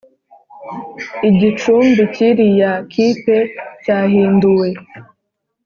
igicumbi cyiriya kipe cyahinduwe